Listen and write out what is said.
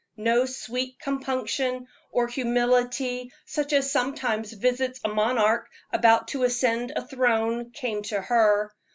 No sweet compunction or humility such as sometimes visits a monarch about to ascend a throne came to her.